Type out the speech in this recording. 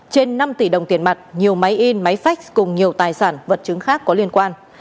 trên năm tỷ đồng tiền mặt nhiều máy in máy phách cùng nhiều tài sản vật chứng khác có liên quan